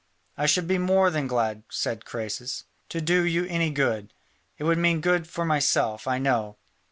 "I should be more than glad," said Croesus, "to do you any good. It would mean good for myself, I know."